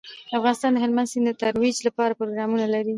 افغانستان د هلمند سیند د ترویج لپاره پروګرامونه لري.